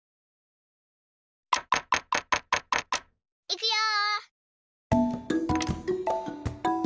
いくよ！